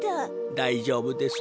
だいじょうぶですよ。